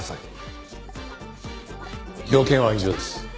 用件は以上です。